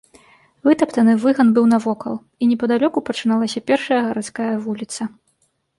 Вытаптаны выган быў навокал, і непадалёку пачыналася першая гарадская вуліца.